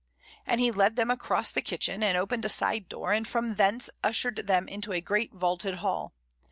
and he led them across the kitchen, and opened a side door, and from thence ushered them into a great vaulted hall.